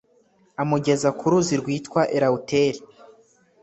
amugeza ku ruzi rwitwa elewuteri